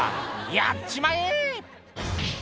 やっちまえー！